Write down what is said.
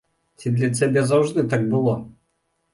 Ці для цябе заўжды так было?